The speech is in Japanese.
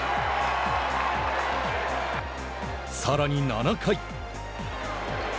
さらに７回。